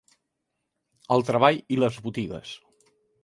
El treball i les botigues